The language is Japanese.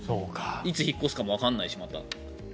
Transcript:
いつまた引っ越すかもわからないし。